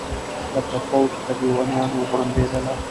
لکه فوج د لېونیانو غړومبېدله